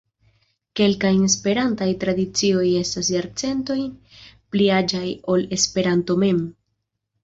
Kelkaj Esperantaj tradicioj estas jarcentojn pli aĝaj ol Esperanto mem.